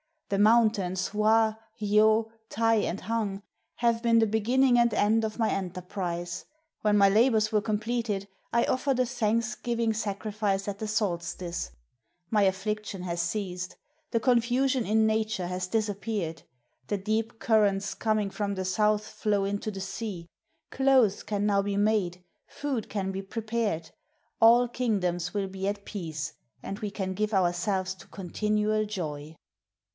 The mountains, Hwa, Yoh, Tai, and Hang, have been the beginning and end of my enter prise ; when my labors were completed, I ofifered a thanks giving sacrifice at the solstice. My affiiction has ceased ; the confusion in nature has disappeared; the deep cur rents coming from the south flow into the sea ; clothes can now be made, food can be prepared; all kingdoms will be at peace, and we can give ourselves to continual joy."